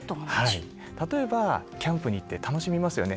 例えば、キャンプに行って楽しみますよね